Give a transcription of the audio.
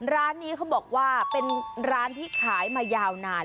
ร้านนี้เขาบอกว่าเป็นร้านที่ขายมายาวนาน